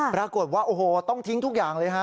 ปรากฏว่าโอ้โหต้องทิ้งทุกอย่างเลยฮะ